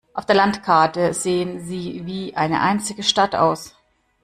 Auf der Landkarte sehen sie wie eine einzige Stadt aus.